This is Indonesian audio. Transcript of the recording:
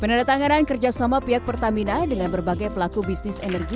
peneretanganan kerjasama pihak pertamina dengan berbagai pelaku bisnis energi